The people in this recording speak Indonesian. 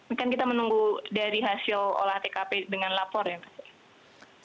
mungkin kita menunggu dari hasil olah tkp dengan lapor ya pak